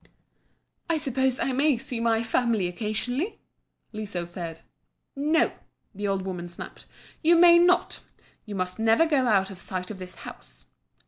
"I suppose I may see my family occasionally?" Liso said. "No!" the old woman snapped, "you may not. You must never go out of sight of this house.